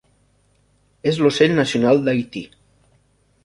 És l'ocell nacional d'Haití.